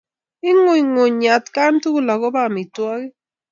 Ing'unyng'unyi atkan tukul akobo amitwogik.